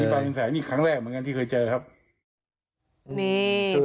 อันนี้มาเป็นแสงครั้งแรกเหมือนกันที่เคยเจอครับ